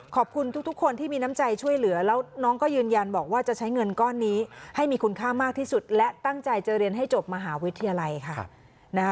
ขอบคุณทุกคนที่มีน้ำใจช่วยเหลือแล้วน้องก็ยืนยันบอกว่าจะใช้เงินก้อนนี้ให้มีคุณค่ามากที่สุดและตั้งใจจะเรียนให้จบมหาวิทยาลัยค่ะ